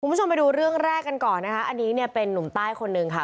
คุณผู้ชมไปดูเรื่องแรกกันก่อนนะคะอันนี้เนี่ยเป็นนุ่มใต้คนหนึ่งค่ะ